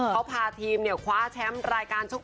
เขาพาทีมเนี่ยควาแชรัปรรายการชกมวย